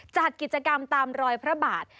จัดกิจกรรมตามรอยพระบาท